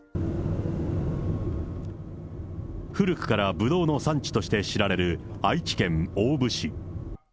古くからブドウの産地として知られる愛知県大府市。